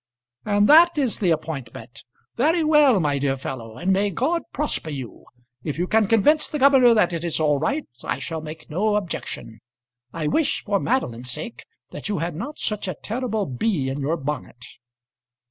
"And that is the appointment! Very well, my dear fellow; and may God prosper you. If you can convince the governor that it is all right, I shall make no objection. I wish, for Madeline's sake, that you had not such a terrible bee in your bonnet."